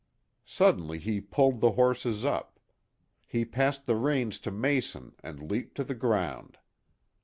Suddenly he pulled the horses up. He passed the reins to Mason and leaped to the ground.